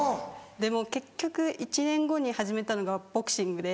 でも結局１年後に始めたのがボクシングで。